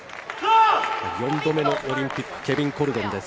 ４度目のオリンピックケビン・コルドンです。